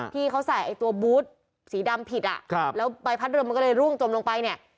ที่เขาใส่ไอ้ตัวบูธสีดำผิดอ่ะครับแล้วใบพัดเรือมันก็เลยร่วงจมลงไปเนี่ย